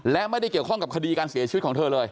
และไม่ได้เกี่ยวข้องกับคดีการเสียชีวิตของเธอเลย